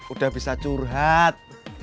udah bisa curhat